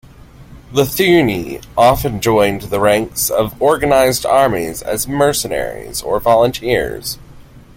The Thyni often joined the ranks of organized armies as mercenaries or volunteers.